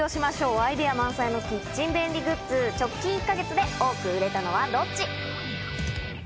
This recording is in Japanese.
アイデア満載のキッチン便利グッズ、直近１か月で多く売れたのはどっち？